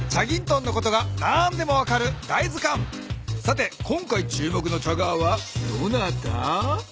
さて今回注目のチャガーはどなた？